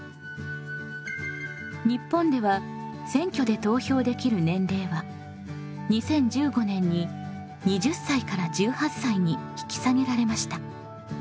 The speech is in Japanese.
日本では選挙で投票できる年齢は２０１５年に２０歳から１８歳に引き下げられました。